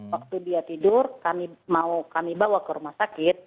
waktu dia tidur kami bawa ke rumah sakit